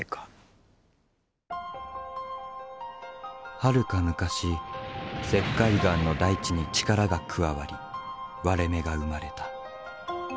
はるか昔石灰岩の大地に力が加わり割れ目が生まれた。